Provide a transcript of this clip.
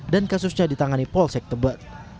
dan kasusnya ditangani polsek tebet